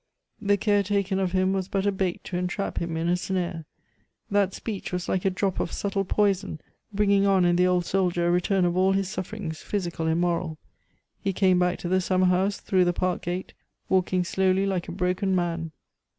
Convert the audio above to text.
The care taken of him was but a bait to entrap him in a snare. That speech was like a drop of subtle poison, bringing on in the old soldier a return of all his sufferings, physical and moral. He came back to the summer house through the park gate, walking slowly like a broken man.